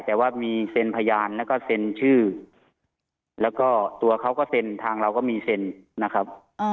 แต่ว่ามีเซ็นพยานแล้วก็เซ็นชื่อแล้วก็ตัวเขาก็เซ็นทางเราก็มีเซ็นนะครับ